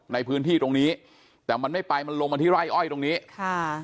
ในพื้นที่ตรงนี้แต่มันไม่ไปมันลงมาที่ไร่อ้อยตรงนี้ค่ะ